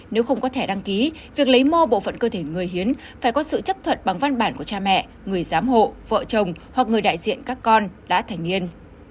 nếu không có thẻ đăng ký việc lấy mô bộ phận cơ thể người hiến phải có sự chấp thuận bằng văn bản của cha mẹ người giám hộ vợ chồng hoặc người đại diện các con đã thành niên